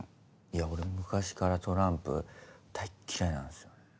いや俺昔からトランプ大嫌いなんすよね。